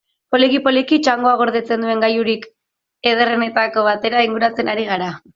Poliki-poliki, txangoak gordetzen duen gailurrik ederrenetako batera inguratzen ari gara.